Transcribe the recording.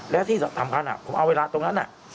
และที่สำคัญผมเอาเวลาตรงนั้น